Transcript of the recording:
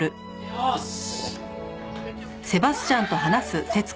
よし！